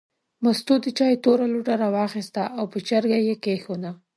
مستو د چای توره لوټه راواخیسته او په چرګۍ یې کېښوده.